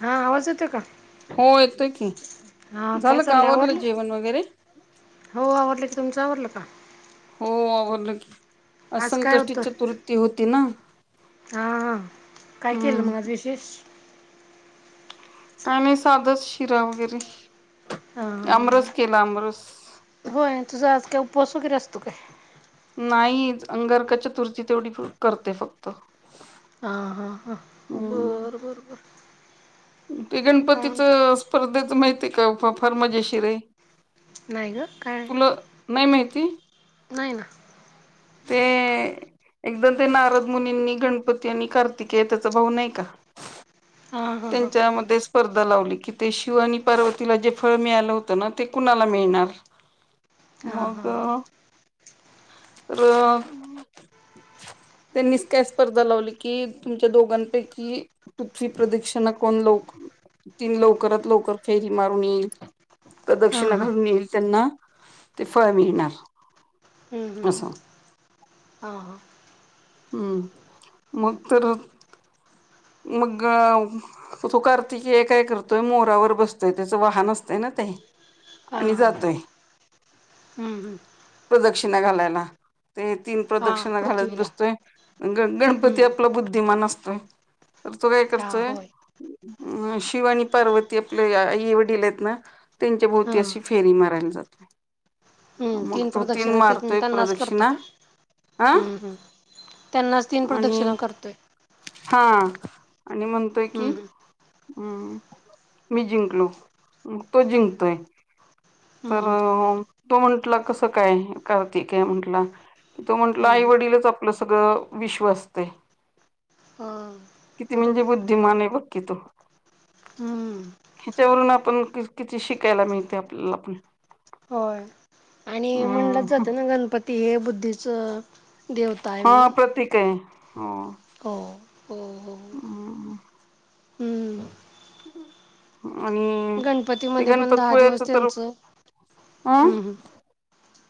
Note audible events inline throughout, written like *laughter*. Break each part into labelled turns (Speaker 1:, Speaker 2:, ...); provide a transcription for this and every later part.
Speaker 1: हा, आवाज यतो का?
Speaker 2: हो, येतोय की,
Speaker 1: हा काय
Speaker 2: झालं का
Speaker 1: चाललंय
Speaker 2: आवरलं जेवण वगैरे.
Speaker 1: हो आवरलं की,, तुमचं आवरलं का?
Speaker 2: हो आवरलं की,, आज
Speaker 1: काय
Speaker 2: संकष्टी
Speaker 1: होतं?
Speaker 2: चतुर्ी होती ना.
Speaker 1: हा हां, काय केलं
Speaker 2: हम्म
Speaker 1: मग आज विशेष?
Speaker 2: काय नाही साधच,, शिरा वगैरे,
Speaker 1: हा हा
Speaker 2: अमरस
Speaker 1: हा
Speaker 2: केला अमरस.
Speaker 1: होय,, तझं आज काय उपवास वगैरे असतोय काय?
Speaker 2: नाही, अंगारका चतुर्थी तेवढी करते फक्त.
Speaker 1: हा हा हा,,
Speaker 2: हम्म
Speaker 1: बर बर बर.
Speaker 2: ते गणपतीचं स्पर्धेच माहितीय का, फार मजेशीर आहे.
Speaker 1: नाही ग,, काय?
Speaker 2: तुला नाही माहीती.
Speaker 1: नाही ना,
Speaker 2: ते, एकदम ते नारद मुनींनी गणपती आणि कार्तिके त्याचा भाऊ नाही का,,
Speaker 1: हा हा हा
Speaker 2: त्यांच्यामध्येच, स्पर्धा लावली की,, ते शिव आणि पार्वतीला जे फळ मिळालं होतं ना,, ते कुणाला मिळणार.
Speaker 1: हा
Speaker 2: मग,,
Speaker 1: हा
Speaker 2: रऽ त्यांनीच काय स्पर्धा लावली की,, तुमच्या दोघांपैकी, पृथ प्रदक्षिणा ऽ कोण ल, ती लवकरात लवकर फेरी मारून येईल.
Speaker 1: हा
Speaker 2: प्रदक्षिणा
Speaker 1: हा
Speaker 2: घालून येईल त्यांना, ते फळ मिळणार.
Speaker 1: ह् ह
Speaker 2: असं
Speaker 1: हा हा..
Speaker 2: हम्म,, मतरऽ मगगऽ तो कार्तिकेय काय करतोय, मोरावर बसतोय, त्याचं वाहन असतय ना ते,
Speaker 1: हा
Speaker 2: आणि
Speaker 1: हा
Speaker 2: जातोय,,
Speaker 1: हम्म हम्म
Speaker 2: प्रदक्षिणा घालायला. ते तीन
Speaker 1: हा
Speaker 2: प्रदक्षिणा घालत
Speaker 1: पृथ्वीला
Speaker 2: बसतोय,, आणि ग गणपती
Speaker 1: हम्म
Speaker 2: आपला बुद्धिमान असतोय. तर तो काय
Speaker 1: हा
Speaker 2: करतोय,
Speaker 1: होय
Speaker 2: अ, शिवा आणि पार्वती आपल्या आई वडील आहेत ना. त्यांच्या
Speaker 1: हा
Speaker 2: भोवती अशी फेरी मारायला जातोय.
Speaker 1: हम्म,
Speaker 2: मग
Speaker 1: तीन
Speaker 2: तो
Speaker 1: प्रदक्षिणा ते
Speaker 2: मारतोय
Speaker 1: त्यांनाच करतोय
Speaker 2: प्रदक्षिणा हा
Speaker 1: काय? त्यांनाच तीन
Speaker 2: आणि
Speaker 1: प्रदक्षिणा करतोय.
Speaker 2: हा,, आणि म्हणतोय की,
Speaker 1: हम्म
Speaker 2: हम्म,, मी जिंकलो,, मग तो जिंकतोय. तर
Speaker 1: हम्म हम्म
Speaker 2: तो म्हटला कसं काय कार्तिक आहे म्हंटला तो म्हंटलं
Speaker 1: हम्म
Speaker 2: आई,
Speaker 1: हम्म.
Speaker 2: वडीलच आपलं सगळं विश्व असते.
Speaker 1: हां.
Speaker 2: किती म्हणजे बुद्धिमान आहे बघकी तो.
Speaker 1: हम्म
Speaker 2: ह्याच्यावरून आपण किती शिकायला मिळतेय आपल्याला. ह.
Speaker 1: म्हणलाच जात ना गणपती हे बुद्धीच देव
Speaker 2: हा प्रतीक आहे हा.
Speaker 1: हो, हो, हो. हम्म
Speaker 2: ह *unintelligible* आणि ते
Speaker 1: गणपतीमध्ये पण दहा
Speaker 2: गणपतपुळ्याच
Speaker 1: दिवस
Speaker 2: तर
Speaker 1: त्यांचं
Speaker 2: अं
Speaker 1: हम्म हम्म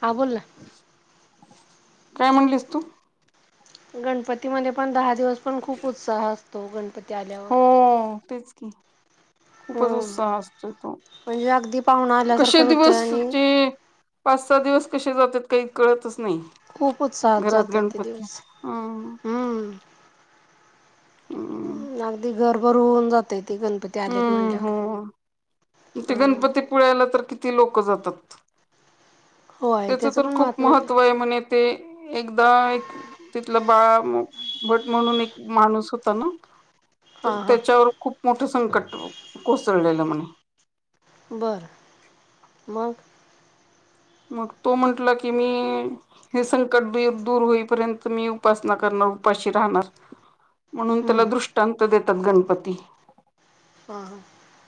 Speaker 1: हा बोलना.
Speaker 2: काय म्हणलीस तू?
Speaker 1: गणपतीमध्ये पण दहा दिवस पण खूप उत्साह असतो. तो गणपती आल्या
Speaker 2: हो, हो, तेच की. खूपच
Speaker 1: हम्म
Speaker 2: उत्साह असतो तो
Speaker 1: म्हणजे अगदी पाहुणा
Speaker 2: कशी
Speaker 1: आल्यासारखंच होतं
Speaker 2: दिवस
Speaker 1: आणि
Speaker 2: ज पाच, सहा दिवस कसे जातात काही कळतच नाही.
Speaker 1: खूप उत्साहात
Speaker 2: घरात
Speaker 1: जातात ते
Speaker 2: गणपती
Speaker 1: दिवस.
Speaker 2: हम्म.
Speaker 1: हम्म
Speaker 2: हम्म
Speaker 1: अगदी घरभर होऊन जाते ते गणपती आलेत
Speaker 2: हम्म,
Speaker 1: म्हणल्यावर.
Speaker 2: हम्म, ते
Speaker 1: हां
Speaker 2: गणपतीपुळ्याला तर किती लोक जातात.
Speaker 1: होय
Speaker 2: त्याच
Speaker 1: त्याचं
Speaker 2: तर
Speaker 1: पण
Speaker 2: खूप
Speaker 1: महात्म्यच
Speaker 2: महत्व आहे म्हणजे ते एकदा एक तिथला बाळा भट म्हणून एक माणूस होताना तर
Speaker 1: हां हां
Speaker 2: त्याच्यावर खूप मोठं संकट कोसळलेलं म्हणे.
Speaker 1: बरं मग?
Speaker 2: मग तो म्हंटलं की मी हे संकट द दूर होईपर्यंत मी उपासना करणार उपाशी राहणार. म्हणून
Speaker 1: हं
Speaker 2: त्याला
Speaker 1: हं
Speaker 2: दृष्टांत देतात गणपती.
Speaker 1: ह, ह.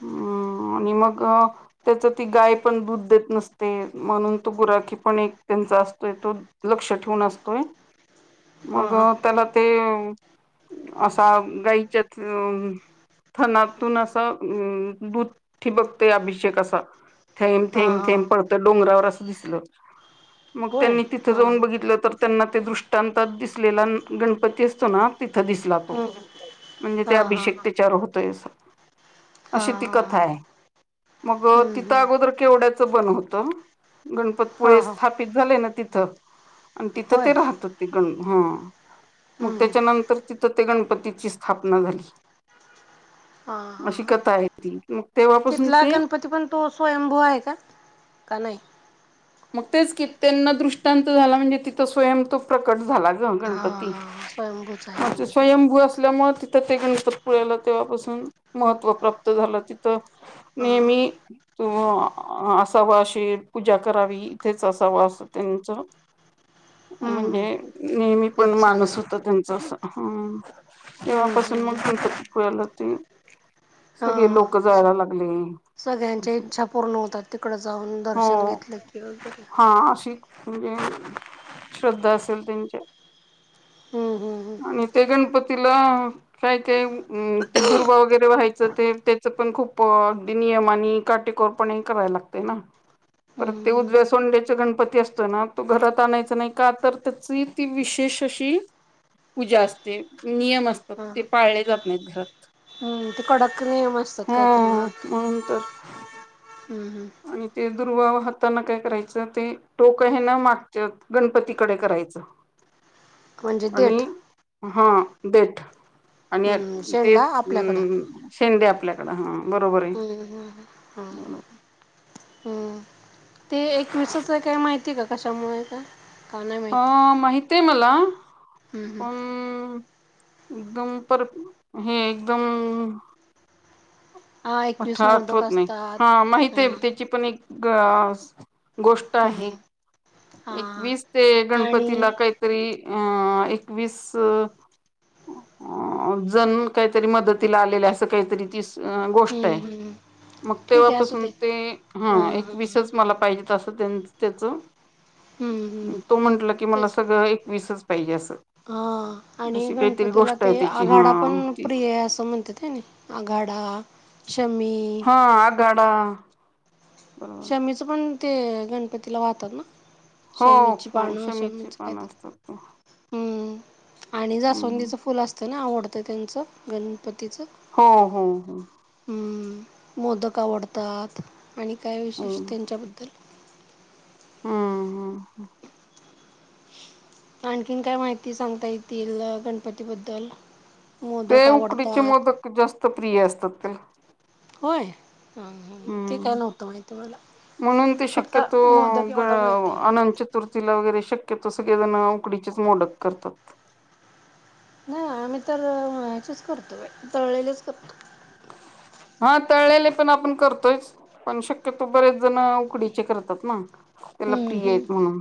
Speaker 2: हम्म आणि मग त्याच ती गाय पण दूध देत नसते. म्हणून तो गुराखी पण एक त्यांचा असतोय तो लक्ष ठेवून असतोय.
Speaker 1: हां
Speaker 2: मग
Speaker 1: हां
Speaker 2: त्याला ते असा गाईच्यात अ फणातून असा अ दूध ठि बघते अभिषेक असा. थेम,
Speaker 1: हां
Speaker 2: थेम, थेम
Speaker 1: हां
Speaker 2: पळत डोंगरावर असं दिसलं मग
Speaker 1: होय
Speaker 2: त्यांनी ति तिथ
Speaker 1: हां
Speaker 2: जाऊन
Speaker 1: हां
Speaker 2: बघितलं तर त्यांना ते दृष्टांतात दिसलेला गणपती असतोना तिथं दिसला तो.
Speaker 1: हं हं
Speaker 2: म्हणजे ते
Speaker 1: हां हां
Speaker 2: अभिषेक
Speaker 1: हां
Speaker 2: त्याच्यावर होतोय अस.
Speaker 1: हां
Speaker 2: अशी ती
Speaker 1: हां
Speaker 2: कथा आहे मग
Speaker 1: हं
Speaker 2: तिथं
Speaker 1: हं
Speaker 2: अगोदर केवड्याचं बनवत
Speaker 1: हां
Speaker 2: गणपतपुळे
Speaker 1: हां
Speaker 2: स्थाप झालं ना तिथ आणि तिथं
Speaker 1: होय
Speaker 2: ते राहता ते गण ह
Speaker 1: हं
Speaker 2: मग
Speaker 1: हं
Speaker 2: त्याच्यानंतर तिथं ते गणपतीची स्थापना झाली.
Speaker 1: हा, हा,
Speaker 2: अशी
Speaker 1: ह.
Speaker 2: कथा आहे मग तेव्हा पासून ते
Speaker 1: तो स्वयंभू आहेका का नाही?
Speaker 2: मग तेच की त्यांना दृष्टांत झाला म्हणजे तिथं स्वयं तो प्रकट झाला ग गणपती.
Speaker 1: ह.
Speaker 2: अच्छा स्वयंभू असल्यामुळे तर ते गणतपुळ्याला तेव्हापासून महत्त्व प्राप्त झालं तिथ.
Speaker 1: हां
Speaker 2: नेहमी तू असाव अशी पूजा करावी इथेच असा वास त्यांच
Speaker 1: हं
Speaker 2: म्हणजे.
Speaker 1: हं
Speaker 2: नेहमी पण
Speaker 1: इच्छा झाली
Speaker 2: माणुस होत त्यांच असा. हम्म,
Speaker 1: हं
Speaker 2: तेव्हापासून
Speaker 1: हं
Speaker 2: मग
Speaker 1: हं
Speaker 2: गणपतीपुळ्याला जाते. सगळे
Speaker 1: हां
Speaker 2: लोक जायला लागले.
Speaker 1: सगळ्यांच्या
Speaker 2: असं
Speaker 1: इच्छा पूर्ण होतात, तिकड जाऊन दर्शन
Speaker 2: हो
Speaker 1: घेतलं की वगैरे.
Speaker 2: हा अशी, म्हणजे श्रद्धा असेल त्यांच्या-
Speaker 1: हम्म हम्म
Speaker 2: आणि ते गणपतीला- काय-काय ते दुर्वा वगैरे व्हायचं, ते त्याचं पण खूप अगदी नियम आणि काटेकोर- पणे करायला लागते ना.
Speaker 1: हम्म
Speaker 2: परत ते उजव्या
Speaker 1: हम्म
Speaker 2: सोंड्याच गणपती असतो ना, तो घरात आणायच नाही का तर त्या- ती विशेष अशी- पूजा असते, नियम असतात,
Speaker 1: हम्म हा
Speaker 2: ते पाळले जात नाहीत घरात.
Speaker 1: हम्म ते कडक नाही मस्तात कायतरी म
Speaker 2: हो म्हणून तर
Speaker 1: *unintelligible*
Speaker 2: आणि ते दुर्वावाहताना काय करायचं, ते टोक हे ना मागते *unintelligible* गणपतीकडे करायचं.
Speaker 1: म्हणजे
Speaker 2: आणि
Speaker 1: देठ
Speaker 2: हा, देठ. आणि
Speaker 1: हम्म
Speaker 2: ते
Speaker 1: शेंडा आपल्याकडं
Speaker 2: *unintelligible* शेंडे आपल्याकडं हा बरोबर आहे
Speaker 1: हम्म हम्म हम्म हम्म
Speaker 2: बरोबर.
Speaker 1: हम्म ते एकविसाच काय माहिती का? कशामुळे काय?
Speaker 2: अ.. माहित आहे मला,
Speaker 1: हम्म हम्म
Speaker 2: पण.. - एकदम पर हे एकदम-
Speaker 1: हा
Speaker 2: आता
Speaker 1: एकवीस मोदक
Speaker 2: आठवत नाही,
Speaker 1: असतात
Speaker 2: हा माहित आहे
Speaker 1: हां
Speaker 2: त्याची पण एक- अ गोष्ट आहे
Speaker 1: हम्म हां
Speaker 2: एकवीीस ते गणपतीला
Speaker 1: आणि
Speaker 2: काही *unintelligible* तरी एकवीस- अ.. जण काहीतरी मदतीला आलेलं असं काहीतरी तीस गो- ष्ट
Speaker 1: हम्म
Speaker 2: आहे,
Speaker 1: हम्म
Speaker 2: मग
Speaker 1: ठीक आहे असू
Speaker 2: तेव्हापासून
Speaker 1: दे
Speaker 2: ते
Speaker 1: हां
Speaker 2: हा
Speaker 1: हां
Speaker 2: एकविसच मला पाहिजेत अस त्यांच- त्याच,
Speaker 1: हम्म हम्म
Speaker 2: तो म्हटलं की मला
Speaker 1: तेच
Speaker 2: सगळं एकवीसच पाहिजे असं-
Speaker 1: हा आणि
Speaker 2: अशी काहीतरी
Speaker 1: गणपतीला
Speaker 2: गोष्ट आहे
Speaker 1: ते
Speaker 2: त्याची
Speaker 1: आघाडा
Speaker 2: हा
Speaker 1: पण
Speaker 2: ती
Speaker 1: प्रिय आहे असं म्हणतेत हे नाही. आघाडा, शमी-
Speaker 2: हा, आगाडा- ह *inaudible*
Speaker 1: शमीच पण ते गणपतीला वाहतात ना? शमीची
Speaker 2: हो
Speaker 1: पाणं,
Speaker 2: शमीची
Speaker 1: शमीच कात
Speaker 2: पानं असतात ते
Speaker 1: *unintelligible* आणि जासवंदीचं फुल असतं ना आवडतं, त्यांचं गणपतीच-
Speaker 2: हा, हा, हा.
Speaker 1: हम. मोदक आवडतात आणि काय
Speaker 2: हो
Speaker 1: विशेष त्यांच्याबद्दल?
Speaker 2: हम्. हम.
Speaker 1: आणखीन काय माहिती सांगता येतील गणपती बद्दल?
Speaker 2: ते उकडीचे मोदक जास्त प्रिय असतात, *unintelligible*
Speaker 1: होय, हा, हा, ते काय
Speaker 2: हम्म
Speaker 1: नव्हतं माहिती मला.
Speaker 2: म्हणून ते
Speaker 1: फक्त
Speaker 2: शक्यतो
Speaker 1: मोदक
Speaker 2: ग
Speaker 1: एवढं माहिती आहे.
Speaker 2: अनचित *unintelligible* तुर्थीला वगैरे शक्यतो सगळेजण उकडीचेच मोदक करतात.
Speaker 1: नाही आम्ही तरचेच करतो तळलेलेच करतो *unintelligible*
Speaker 2: हा तळलेले पण आपण करतोयच. पण शक्यतो बरेच जण उकडीचे करतात ना. त्याला पी
Speaker 1: हम्म
Speaker 2: *unintelligible* येत
Speaker 1: हम्म
Speaker 2: म्हणून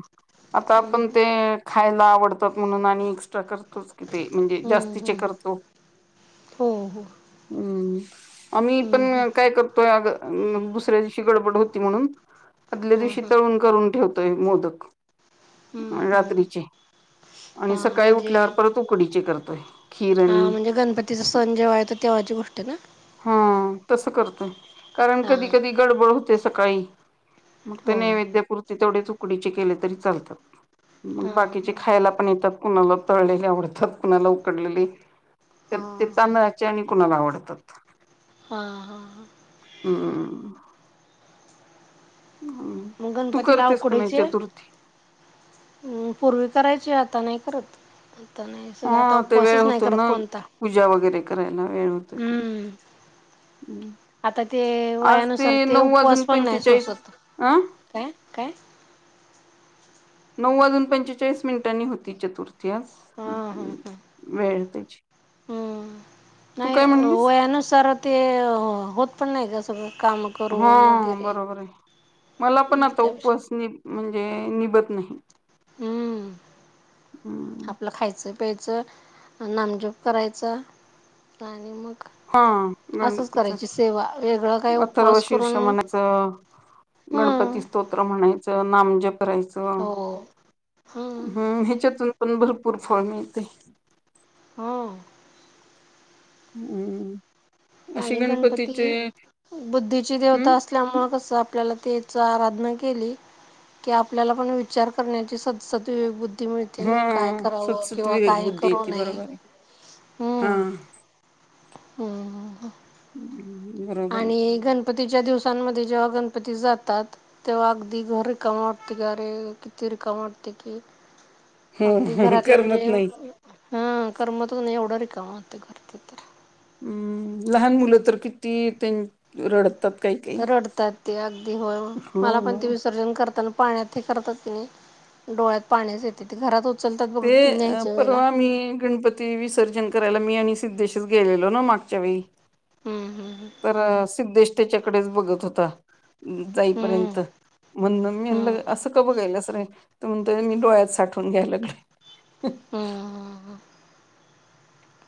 Speaker 2: आता आपण
Speaker 1: हम्म
Speaker 2: ते खायला आवडतात, म्हणून आणि एक्स्ट्रा करतोच. कि ते म्हणजे
Speaker 1: हम्म.
Speaker 2: जास्तीचे
Speaker 1: हम.
Speaker 2: करतो
Speaker 1: हो, हो.
Speaker 2: हम्. आम्ही
Speaker 1: हम्म हम्म
Speaker 2: पण काय करतोय अ *unintelligible* दुसऱ्या दिवशी गडबड होती म्हणून- आदल्या
Speaker 1: हां
Speaker 2: दिवशी
Speaker 1: हां
Speaker 2: तळून करून ठेवतोय मोदक.
Speaker 1: हम्म हम्म
Speaker 2: रात्रीचे आणि
Speaker 1: हां
Speaker 2: सकाळी उठल्यावर परत उकडीचे करतोय. खीर आणि
Speaker 1: हा, म्हणजे गणपतीचा सण जेव्हा येतो, तेव्हाची गोष्टी ना?
Speaker 2: हा, तसं करतो, कारण
Speaker 1: हां
Speaker 2: कधी कधी गडबड होते सकाळी. मग ते
Speaker 1: होय
Speaker 2: नैवेद्यपूर्ती तेवढे ऊकडीचे केले तरी चालतात मग
Speaker 1: हां
Speaker 2: बाकीचे
Speaker 1: हां
Speaker 2: खायला पण येतात. कुणाला तळलेली आवडतात कुणाला उकडलेली तर ते
Speaker 1: हां
Speaker 2: तांदळा आणि कुणाला आवडतात.
Speaker 1: हां हां हां
Speaker 2: ह *unintelligible* ह
Speaker 1: मग
Speaker 2: तू
Speaker 1: गणपतीला
Speaker 2: करतेस का नाही चतुर्थी
Speaker 1: म् पूर्वी करायची आता नाही करत. नाही
Speaker 2: हा
Speaker 1: सगळे आता
Speaker 2: ते वेळ
Speaker 1: उपवासच नाही
Speaker 2: होतो ना
Speaker 1: करत कोणता
Speaker 2: पूजा वगैरे करायला वेळ होतोय खूप
Speaker 1: हम्म
Speaker 2: हम्म
Speaker 1: आता ते वयानुसार ते उपवास
Speaker 2: वाजून
Speaker 1: पण नाही
Speaker 2: पंचेचाळीस
Speaker 1: सोसत
Speaker 2: अं
Speaker 1: काय काय
Speaker 2: नऊ वाजून पंचेचाळीस मिनिटांनी होती चतुर्थी आज
Speaker 1: हा हा हा
Speaker 2: वेळ त्याची तू काय म्हणलीस
Speaker 1: त्यानुसार ते होत पण नाही का सगळं काम
Speaker 2: हा
Speaker 1: करून वगैरे.
Speaker 2: बरोबर आहे मला पण
Speaker 1: मग
Speaker 2: आता
Speaker 1: त्या
Speaker 2: उपवास नि म्हणजे निभत नाही.
Speaker 1: हं्म
Speaker 2: हम्
Speaker 1: आपलं खायचं प्यायचं नामजोप करायचं. आणि मग
Speaker 2: हा
Speaker 1: असंच
Speaker 2: गणपतीच
Speaker 1: करायची सेवा वेगळं काय
Speaker 2: अथर्व
Speaker 1: उपवास
Speaker 2: शीर्ष
Speaker 1: करून हम्म
Speaker 2: गणपती स्त्रोत म्हणायच नामजप करायच
Speaker 1: हो हम्म
Speaker 2: हम् ह्याच्यातून पण भरपूर फळ मिळते.
Speaker 1: हो
Speaker 2: हम्म *unintelligible* असे
Speaker 1: आणि
Speaker 2: गणपतीचे
Speaker 1: गणपती बुद्धीची
Speaker 2: हम्म
Speaker 1: देवता असते. ल्यामुळे कस आपल्याला त्याच आराधना केली कि आपल्याला पण विचार करण्याची सदद् मिळते
Speaker 2: हा
Speaker 1: ना काय करावं
Speaker 2: सतसत
Speaker 1: किंवा
Speaker 2: विवेक
Speaker 1: काही
Speaker 2: बुद्धी
Speaker 1: करू
Speaker 2: येते
Speaker 1: नय
Speaker 2: बरोबर आहे हा.
Speaker 1: हम्म हम्म हम् ह
Speaker 2: बरोबर आहे
Speaker 1: आणि गणपतीच्या दिवसांमध्ये जेव्हा गणपती जातात तेव्हा अगदी घर रिकम वाटते ग अ रे किती रिकम वाटते की
Speaker 2: हो
Speaker 1: अगदी
Speaker 2: हो
Speaker 1: घरातलं म्हणजे
Speaker 2: करमत नाही.
Speaker 1: हा करमतच नाही एवढं रिकाम होत घरच तर
Speaker 2: हम्म लहान मुलं तर किती त्यां रडतात. काही काही
Speaker 1: रडतात ते अगदी होय
Speaker 2: हो
Speaker 1: मला पण
Speaker 2: हो.
Speaker 1: ते विसर्जन करताना पाण्यात हे करतात ति डोळ्यात पाण्याच येते ते घरात उचलतात बघ न्यायच्या वेळेला
Speaker 2: म गणपती विसर्जन करायला मी आणि सिद्धेशीच गेलेलो ना मागच्या वेळी
Speaker 1: हम्म हम्म
Speaker 2: तर सिद्धेश त्याच्याकडेच बघत होता.
Speaker 1: हम्म
Speaker 2: जाईपर्यंत. म्हण मी
Speaker 1: हम्म
Speaker 2: ल असं का बघायलाच रे तर म्हणतो मी डोळ्यात साठवून घ्यायला लगले ह *unintelligible*
Speaker 1: हम *inaudible*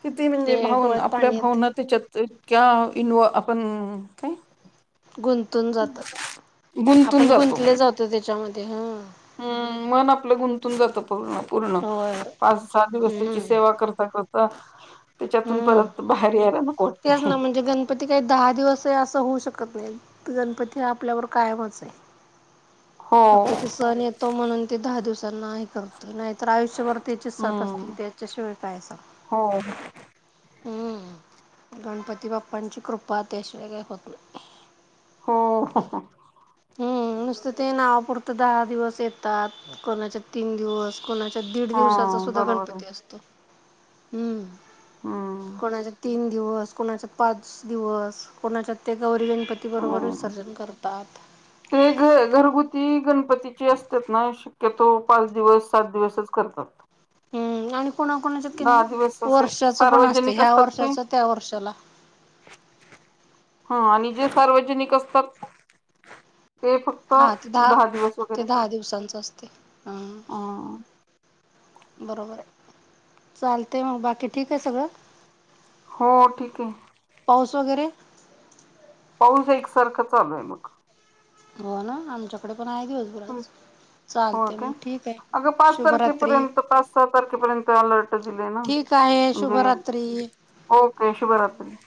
Speaker 2: किती
Speaker 1: ते
Speaker 2: म्हणजे भावी
Speaker 1: डोळ्यात
Speaker 2: आपल्या
Speaker 1: पाण्यात
Speaker 2: भावना त्याच्यात इनव आपण काय
Speaker 1: गुंतून जातात
Speaker 2: गुंतून
Speaker 1: आपण गुंतले जातो त्याच्यामध्ये ह
Speaker 2: हम मन आपलं गुंतून जात पू पूर्ण
Speaker 1: होय होय.
Speaker 2: पाच सात दिवस त्याची
Speaker 1: हम्म
Speaker 2: सेवा करता कर त्याच्यातून
Speaker 1: हम्म
Speaker 2: परत बाहेर यायला ना
Speaker 1: तेच ना म्हणजे ग गणपती काही दहा दिवस आहे असं होऊ शकत नाही तर गणपती हा आपल्यावर कायमच आहे.
Speaker 2: हो
Speaker 1: फक्त ते सण येतो म्हणून ते दहा दिवसांना नाही करत नाही तरर आयुष्यभर त्याची सथ असतील
Speaker 2: हम्म
Speaker 1: त्याच्याशिवाय काय सां
Speaker 2: हो
Speaker 1: हम्म गणपती बाप्पांची कृपा त्याशिवाय काय होत नाही.
Speaker 2: हो.
Speaker 1: हम्म नुसतं ते नावापुरतं दहा दिवस येतात कोनाचे तीन दिवस- कोणाच्यात दीड दिवसाचा सुद्धा
Speaker 2: बरोबर आहे
Speaker 1: गणपती असतो हम्म.
Speaker 2: हम्म
Speaker 1: कोणाच्यात तीन दिवस, कोणाच्या पाच दिवस कोणाच्या ते गौरी गणपती ती बरोबर
Speaker 2: हो
Speaker 1: विसर्जन करतात.
Speaker 2: ते घ घरगुती गणपतीची असतात ना- शक्यतो पाच दिवस, सात दिवसच करतात.
Speaker 1: हम्म आणि कोणाकुणाच्यायत किनी
Speaker 2: दहा दिवस असे
Speaker 1: वर्षाचं पण असतंय
Speaker 2: सार्वजनिक
Speaker 1: ह्या
Speaker 2: असतात ते
Speaker 1: वर्षाचं त्या वर्षाला.
Speaker 2: हा आणि जे सार्वजनिक असतात ते फक्त
Speaker 1: हा ते
Speaker 2: दहा दिवस
Speaker 1: ते
Speaker 2: वगैरे करत
Speaker 1: दहा दिवसांचं असते हा
Speaker 2: हम्म.
Speaker 1: बरोबर आहे चालतय म बाकी ठीक आहे सगळं
Speaker 2: हो ठीक आहे
Speaker 1: पाऊस वगैरे
Speaker 2: पाऊस एकसारखं चालूय बग.
Speaker 1: हो ना आमच्याकडे पण आहे दिवसभर आज
Speaker 2: हो
Speaker 1: चालते मग
Speaker 2: काय
Speaker 1: ठीक आहे.
Speaker 2: अगं पाच
Speaker 1: शुभरात्री
Speaker 2: तारखेपर्यंत, पाच सहा तारखेपर्यंत अलर्ट दिले ना
Speaker 1: ठीक आहे
Speaker 2: म्हणजे
Speaker 1: शुभरात्री
Speaker 2: ओके शुभरात्री.